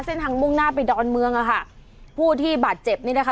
มุ่งหน้าไปดอนเมืองอ่ะค่ะผู้ที่บาดเจ็บนี่นะคะ